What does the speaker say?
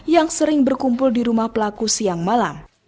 yang sering berkumpul di rumah pelaku siang malam